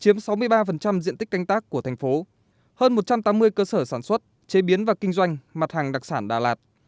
chiếm sáu mươi ba diện tích canh tác của thành phố hơn một trăm tám mươi cơ sở sản xuất chế biến và kinh doanh mặt hàng đặc sản đà lạt